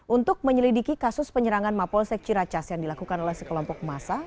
untuk menyelidiki kasus penyerangan mapolsek ciracas yang dilakukan oleh sekelompok masa